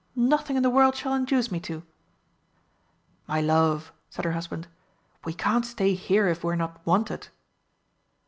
Nothing in the world shall induce me to!" "My love," said her husband, "we can't stay here if we're not wanted."